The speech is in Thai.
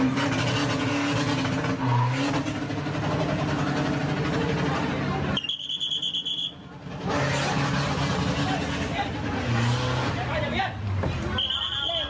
ครับ